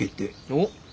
おっ。